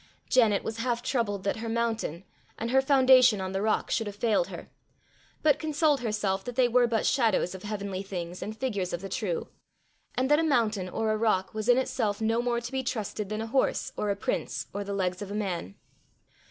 Janet was half troubled that her mountain, and her foundation on the rock, should have failed her; but consoled herself that they were but shadows of heavenly things and figures of the true; and that a mountain or a rock was in itself no more to be trusted than a horse or a prince or the legs of a man.